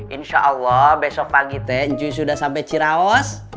insyaallah besok pagi te ncu sudah sampe ciraos